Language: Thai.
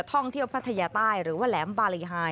ท่องเที่ยวพัทยาใต้หรือว่าแหลมบารีไฮ